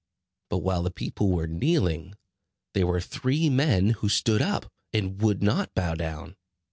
But while the people were kneeling, there were three men who stood up, and would not bow down.